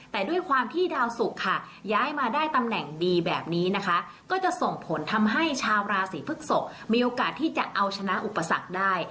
แต่ด้วยความที่ดาวสุกค่ะย้ายมาได้ตำแหน่งดีแบบนี้นะคะก็จะส่งผลทำให้ชาวราศีพฤกษกมีโอกาสที่จะเอาชนะอุปสรรคได้